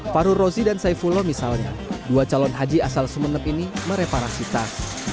faru rozi dan saifullah misalnya dua calon haji asal sumenep ini mereparasi tas